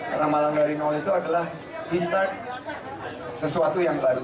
karena malang dari nol itu adalah di start sesuatu yang baru